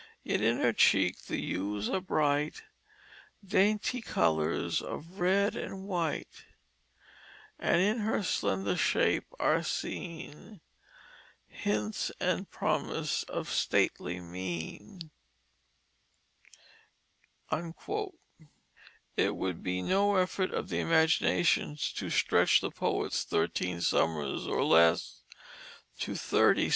Yet in her cheek the hues are bright, Dainty colors of red and white; And in her slender shape are seen Hint and promise of stately mien." It would be no effort of the imagination to stretch the poet's "thirteen summers or less" to thirty summers. [Illustration: "Dorothy Q."